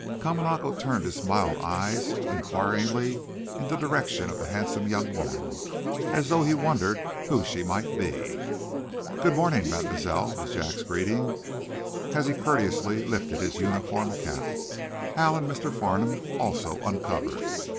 Kamanako turned his mild eyes inquiringly in the direction of the handsome young woman, as though he wondered who she might be. "Good morning, Mademoiselle," was Jack's greeting, as he courteously lifted his uniform cap. Hal and Mr. Farnum also uncovered.